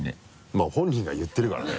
まぁ本人が言ってるからね。